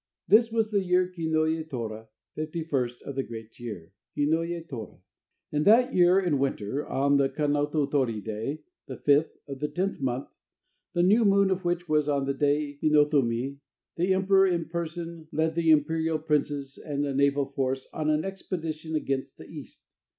This was the year Kinoye Tora (51st) of the Great Year. In that year, in winter, on the Kanoto Tori day (the 5th) of the 10th month, the new moon of which was on the day Hinoto Mi, the emperor in person led the imperial princes and a naval force on an expedition against the East.